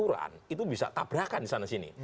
kalau tidak ada aturan itu bisa kabrakan disana sini